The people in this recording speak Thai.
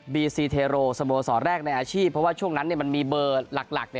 ซีเทโรสโมสรแรกในอาชีพเพราะว่าช่วงนั้นมันมีเบอร์หลัก